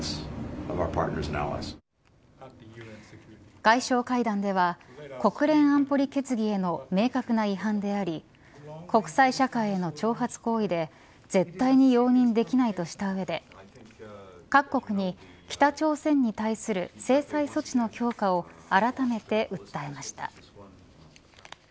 外相会談では国連安保理決議への明確な違反であり国際社会への挑発行為で絶対に容認できないとした上で各国に北朝鮮に対する制裁措置の強化をあらためて訴えました。